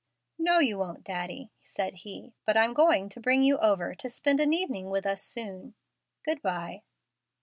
"No, you won't, Daddy," said he. "But I'm going to bring you over to spend an evening with us soon. Good by!"